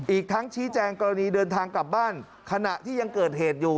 อีกทั้งชี้แจงกรณีเดินทางกลับบ้านขณะที่ยังเกิดเหตุอยู่